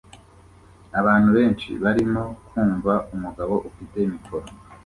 Abantu benshi barimo kumva umugabo ufite mikoro